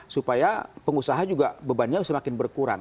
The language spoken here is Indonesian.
supaya pengusaha juga bebannya semakin berkurang